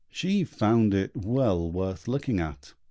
She found it well worth looking at.